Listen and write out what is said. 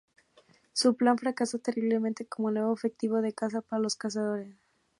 Su plan fracasa terriblemente como el nuevo objetivo de caza para los cazadores.